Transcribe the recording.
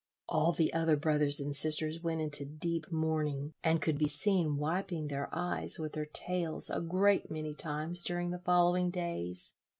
All the other brothers and sisters went into deep mourning, and could be seen wiping their eyes with their tails a great many times during the following days.